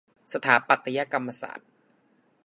สถาปัตยกรรมศาสตร์